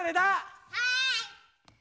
はい！